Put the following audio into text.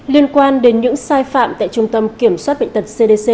liên quan đến những sai phạm tại trung tâm kiểm soát bệnh tật cdc